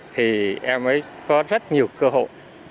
thì em ấy có rất nhiều cơ hội